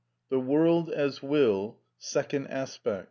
THE WORLD AS WILL. Second Aspect.